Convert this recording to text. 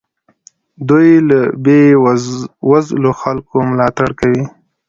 دوی له بې وزلو خلکو ملاتړ کوي.